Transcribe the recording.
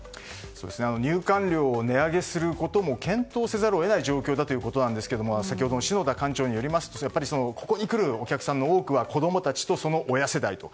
入館料を値上げすることも検討せざるを得ない状況だということですが先ほどの篠田館長によりますとここに来るお客さんの多くは子供さんと、その親世代と。